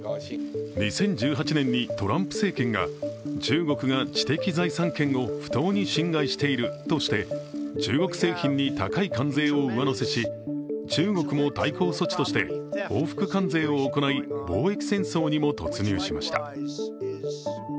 ２０１８年にトランプ政権が中国が知的財産権を不当に侵害しているとして中国製品に高い関税を上乗せし、中国も対抗措置として報復関税を行い貿易戦争にも突入しました。